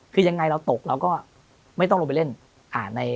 คือยังไงเราตกเราก็ไม่ต้องลงไปเล่น